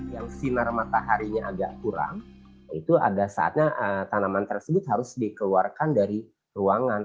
yang sinar mataharinya agak kurang itu ada saatnya tanaman tersebut harus dikeluarkan dari ruangan